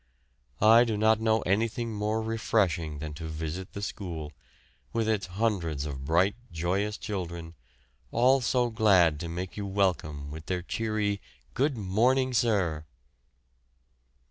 I do not know anything more refreshing than to visit the school, with its hundreds of bright, joyous children, all so glad to make you welcome with their cheery "Good morning, sir!"